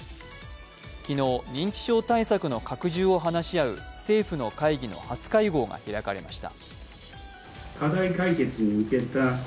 昨日、認知症対策の拡充を話し合う政府の会議の初会合が開かれました。